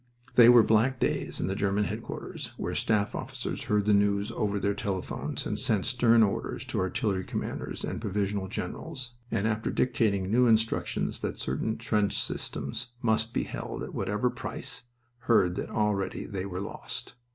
They were black days in the German headquarters, where staff officers heard the news over their telephones and sent stern orders to artillery commanders and divisional generals, and after dictating new instructions that certain trench systems must be held at whatever price, heard that already they were lost.